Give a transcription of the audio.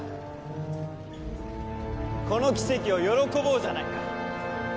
この奇跡を喜ぼうじゃないか！